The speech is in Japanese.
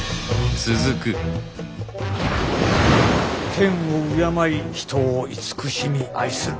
天を敬い人を慈しみ愛する。